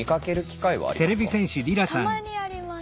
たまにあります。